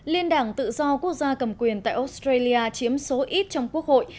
liên đảng tự do quốc gia cầm quyền tại australia chiếm số ít trong quốc hội